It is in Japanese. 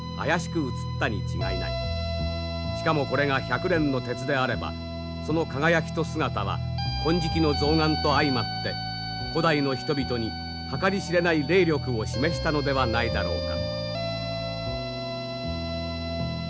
しかもこれが百練の鉄であればその輝きと姿は金色の象眼と相まって古代の人々に計り知れない霊力を示したのではないだろうか。